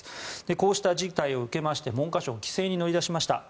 こうした事態を受けまして文科省、規制に乗り出しました。